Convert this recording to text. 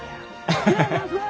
アハハハ。